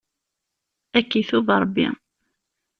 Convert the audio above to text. Ad k-itub Ṛebbi.